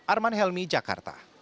arman helmi jakarta